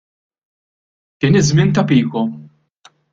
Kien iż-żmien ta' Pico.